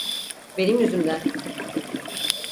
Benim yüzümden…